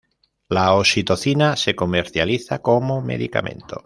La oxitocina se comercializa como medicamento.